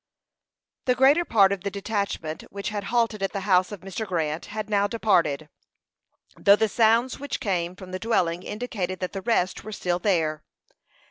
The greater part of the detachment which had halted at the house of Mr. Grant had now departed, though the sounds which came from the dwelling indicated that the rest were still there.